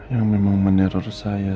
yang memang meneror saya